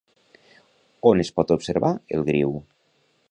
On es pot observar el griu?